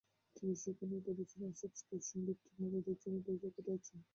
তিনি সেখানে বলেছিলেন, সাবস্ক্রিপশনভিত্তিক মডেলের জন্য দরজা খোলা আছে।